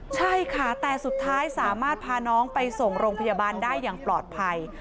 ใช่ค่ะแต่สุดท้ายสามารถพาน้องไปส่งโรงพยาบาลได้อย่างปลอดภัย